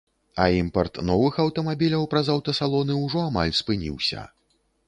А імпарт новых аўтамабіляў праз аўтасалоны ўжо амаль спыніўся.